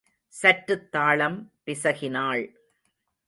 சற்றுத் தாளம் பிசகினாள்.